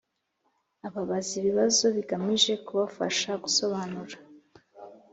Ababaza ibibazo bigamije kubafasha gusobanura